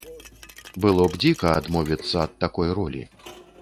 Было б дзіка адмовіцца ад такой ролі.